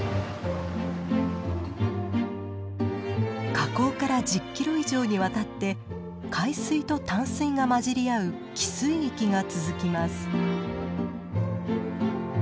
河口から１０キロ以上にわたって海水と淡水が混じり合う汽水域が続きます。